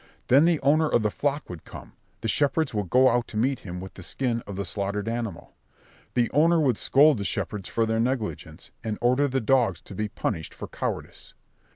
Then the owner of the flock would come; the shepherds would go out to meet him with the skin of the slaughtered animal: the owner would scold the shepherds for their negligence, and order the dogs to be punished for cowardice.